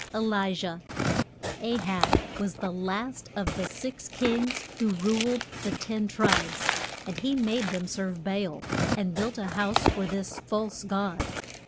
ELIJAH. A HAB was the last of the six kings who ruled the ten tribes. And he made them serve Ba al, and built a house for this false god.